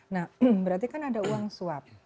nah berarti kan ada uang suap